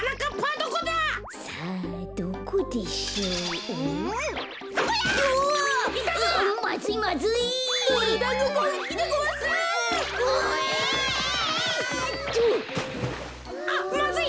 とう！あっまずい！